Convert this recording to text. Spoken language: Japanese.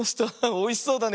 おいしそうだね。